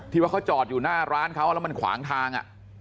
ว่าเขาจอดอยู่หน้าร้านเขาแล้วมันขวางทาง